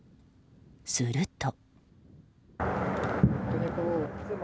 すると。